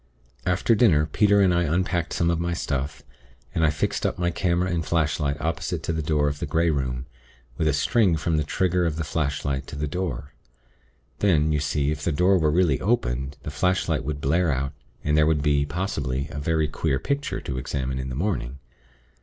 "After dinner, Peter and I unpacked some of my stuff, and I fixed up my camera and flashlight opposite to the door of the Grey Room, with a string from the trigger of the flashlight to the door. Then, you see, if the door were really opened, the flashlight would blare out, and there would be, possibly, a very queer picture to examine in the morning.